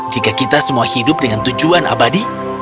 jika kita semua hidup dengan tujuan abadi